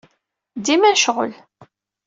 Dima necɣel.